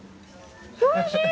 おいしい！